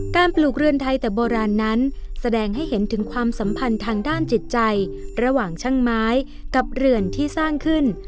ปลูกเรือนไทยแต่โบราณนั้นแสดงให้เห็นถึงความสัมพันธ์ทางด้านจิตใจระหว่างช่างไม้กับเรือนที่สร้างขึ้น